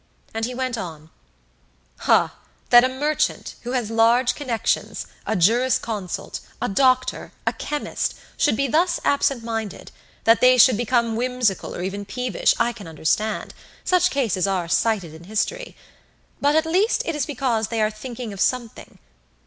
And he went on "Ah! That a merchant, who has large connections, a jurisconsult, a doctor, a chemist, should be thus absent minded, that they should become whimsical or even peevish, I can understand; such cases are cited in history. But at least it is because they are thinking of something.